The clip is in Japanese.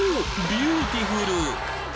ビューティフル！